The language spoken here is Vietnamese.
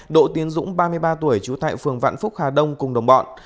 độ tiến dũng ba mươi ba tuổi chú tại phường vạn phúc hà đông cùng đồng bọn